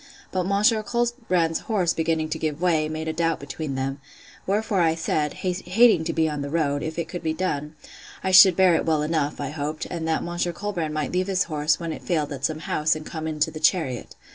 But Monsieur Colbrand's horse beginning to give way, made a doubt between them: wherefore I said, (hating to be on the road,) if it could be done, I should bear it well enough, I hoped; and that Monsieur Colbrand might leave his horse, when it failed, at some house, and come into the chariot.